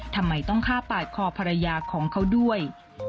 ทำไมต้องฆ่าปาดคอภรรยาของเขาด้วย